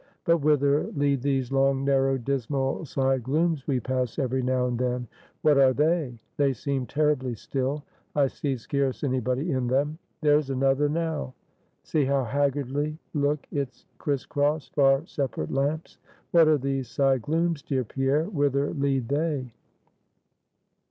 But whither lead these long, narrow, dismal side glooms we pass every now and then? What are they? They seem terribly still. I see scarce any body in them; there's another, now. See how haggardly look its criss cross, far separate lamps. What are these side glooms, dear Pierre; whither lead they?"